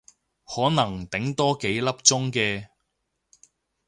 可能頂多幾粒鐘嘅